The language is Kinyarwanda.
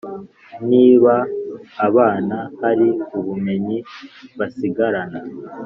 niba abana hari ubumenyi basigarana